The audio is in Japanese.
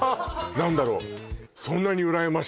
何だろう